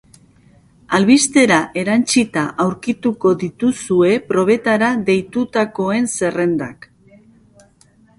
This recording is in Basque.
Albistera erantsita aurkituko dituzue probetara deitutakoen zerrendak.